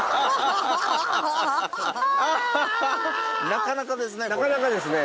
なかなかですね。